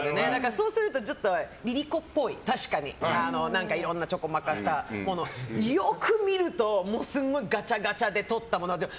そうするとＬｉＬｉＣｏっぽい、確かにね。いろんなちょこまかしたものよく見るとすごいガチャガチャでとったものとか。